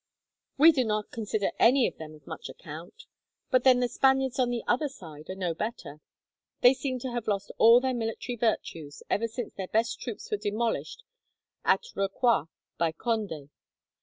"We do not consider any of them of much account. But then the Spaniards on the other side are no better. They seem to have lost all their military virtues, ever since their best troops were demolished at Rocroi by Conde.